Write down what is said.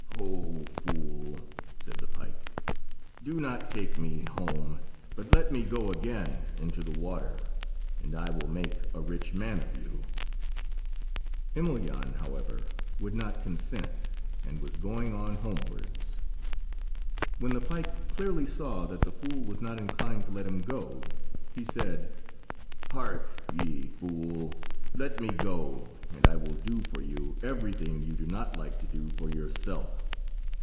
"Ho, fool!" said the pike; "do not take me home, but let me go again into the water, and I will make a rich man of you." Emelyan, however, would not consent, and was going on homewards. When the pike clearly saw that the fool was not inclined to let him go, he said— "Hark ye, fool! let me go, and I will do for you everything you do not like to do for yourself.